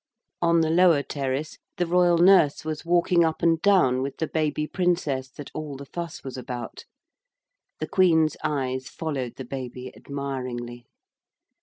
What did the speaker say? On the lower terrace the royal nurse was walking up and down with the baby princess that all the fuss was about. The Queen's eyes followed the baby admiringly.